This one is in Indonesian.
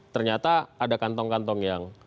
ternyata ada kantong kantong yang